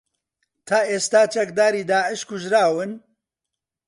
تا ئێستا چەکداری داعش کوژراون